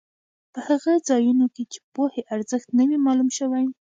په هغو ځایونو کې چې پوهې ارزښت نه وي معلوم شوی.